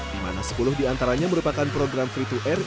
di mana sepuluh diantaranya merupakan program free to air